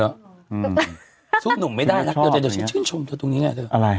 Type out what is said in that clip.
หรอสู้หนุ่มไม่ได้ชื่นชมเธอตรงเนี้ยเถอะอะไร